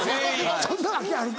そんなわけあるか！